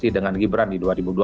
dengan gibran di dua ribu dua puluh